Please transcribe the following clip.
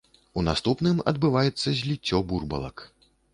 У наступным адбываецца зліццё бурбалак.